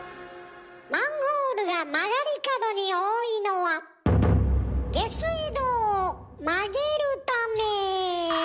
マンホールが曲がり角に多いのは下水道を曲げるため。